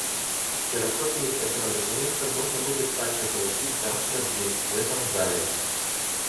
Ксерокопии этого документа можно будет также получить завтра здесь, в этом зале.